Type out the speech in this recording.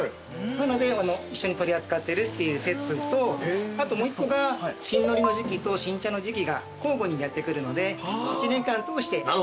なので一緒に取り扱ってるっていう説とあともう１個が新海苔の時期と新茶の時期が交互にやってくるので１年間通して。